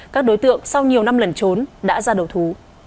các đối tượng sau nhiều năm lần trốn đã ra đầu thú